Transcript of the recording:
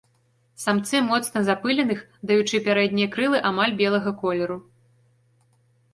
Самцы моцна запыленых, даючы пярэднія крылы амаль белага колеру.